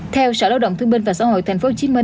theo sở lao động thương minh và xã hội tp hcm